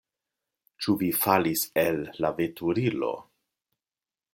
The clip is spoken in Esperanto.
Ĉu vi falis el la veturilo?